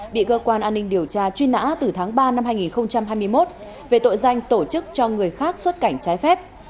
bị cơ quan an ninh điều tra truy nã từ tháng ba năm hai nghìn hai mươi một về tội danh tổ chức cho người khác xuất cảnh trái phép